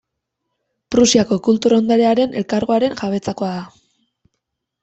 Prusiako Kultur Ondarearen Elkargoaren jabetzakoa da.